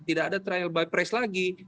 tidak ada trial by press lagi